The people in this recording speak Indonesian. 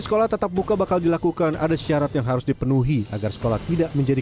sekolah tetap buka bakal dilakukan ada syarat yang harus dipenuhi agar sekolah tidak menjadi